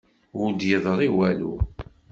Ur d-yeḍṛi walu.